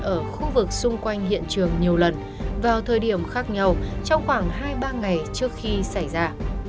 ở khu vực xung quanh hiện trường nhiều lần vào thời điểm khác nhau trong khoảng hai ba ngày trước khi xảy ra